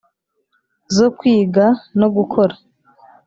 zo kwiga no gukora